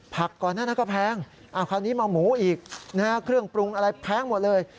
ก่อนหน้านั้นก็แพงคราวนี้มาหมูอีกนะฮะเครื่องปรุงอะไรแพงหมดเลย